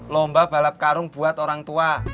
lomba balap karung buat orang tua